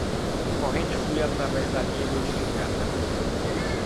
Corrente flui através da linha modificada